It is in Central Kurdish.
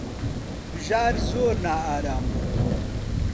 بژار زۆر نائارام بوو.